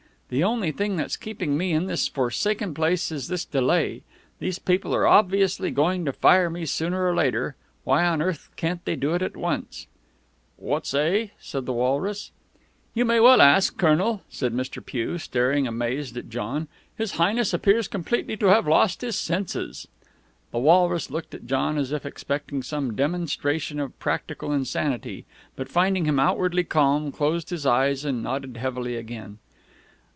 The only thing that's keeping me in this forsaken place is this delay. These people are obviously going to fire me sooner or later. Why on earth can't they do it at once?" "What say?" said the walrus. "You may well ask, Colonel," said Mr. Pugh, staring amazed at John. "His Highness appears completely to have lost his senses." The walrus looked at John as if expecting some demonstration of practical insanity, but, finding him outwardly calm, closed his eyes and nodded heavily again.